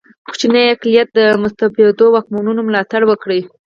کوچنی اقلیت د مستبدو واکمنانو ملاتړ وکړي.